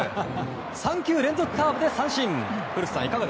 ３球連続カーブで三振。